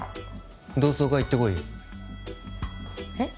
同窓会行ってこいよえっ？